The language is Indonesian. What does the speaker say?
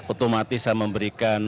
otomatis saya memberikan